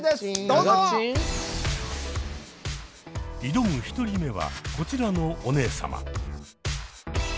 挑む１人目はこちらのお姉様。